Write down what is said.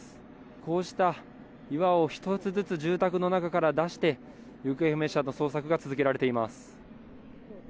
こうした岩を１つずつ住宅の中から出して行方不明者の捜索が続けられています。